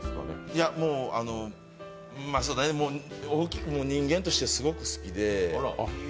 いやもう、人間としてすごい好きで。